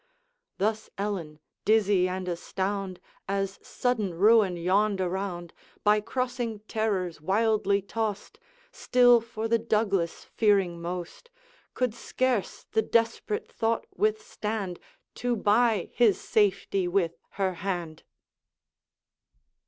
Thus Ellen, dizzy and astound, As sudden ruin yawned around, By crossing terrors wildly tossed, Still for the Douglas fearing most, Could scarce the desperate thought withstand, To buy his safety with her hand.